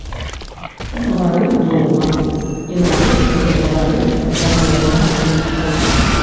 Гаварыў доўга і нарэшце дагаварыўся да новага пункта.